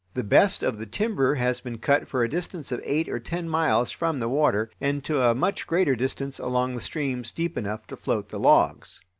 The best of the timber has been cut for a distance of eight or ten miles from the water and to a much greater distance along the streams deep enough to float the logs.